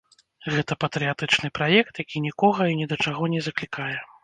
Гэта патрыятычны праект, які нікога і ні да чаго не заклікае.